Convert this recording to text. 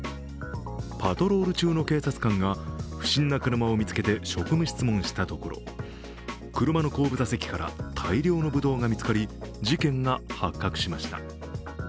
パトロール中の警察官が不審な車を見つけて職務質問したところ車の後部座席から大量のぶどうが見つかり事件が発覚しました。